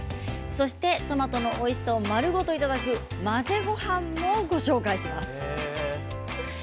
そしてトマトのおいしさを丸ごといただく混ぜご飯もご紹介します。